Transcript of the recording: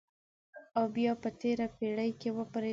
او بیا په تېره پېړۍ کې وپرځېدل.